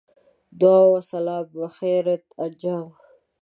دعا و سلام بخیریت انجام.